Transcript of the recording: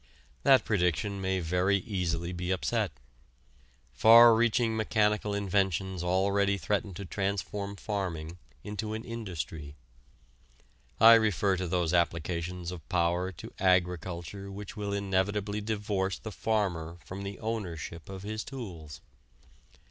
That prediction may very easily be upset. Far reaching mechanical inventions already threaten to transform farming into an industry. I refer to those applications of power to agriculture which will inevitably divorce the farmer from the ownership of his tools.